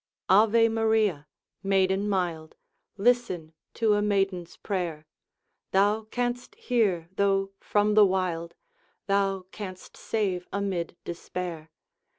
Ave. Maria! maiden mild! Listen to a maiden's prayer! Thou canst hear though from the wild, Thou canst save amid despair.